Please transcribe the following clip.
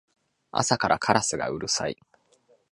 朝からカラスがうるさい